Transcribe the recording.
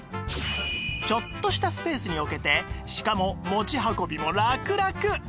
ちょっとしたスペースに置けてしかも持ち運びもラクラク